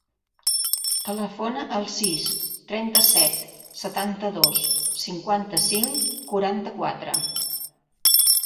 Telefona al sis, trenta-set, setanta-dos, cinquanta-cinc, quaranta-quatre.